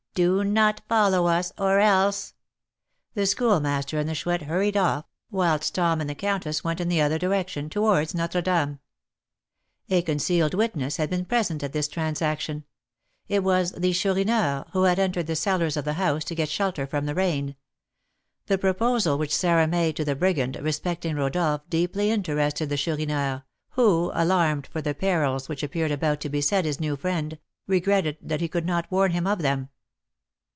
Do not follow us, or else " The Schoolmaster and the Chouette hurried off, whilst Tom and the countess went in the other direction, towards Notre Dame. A concealed witness had been present at this transaction; it was the Chourineur, who had entered the cellars of the house to get shelter from the rain. The proposal which Sarah made to the brigand respecting Rodolph deeply interested the Chourineur, who, alarmed for the perils which appeared about to beset his new friend, regretted that he could not warn him of them.